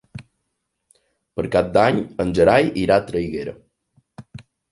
Per Cap d'Any en Gerai irà a Traiguera.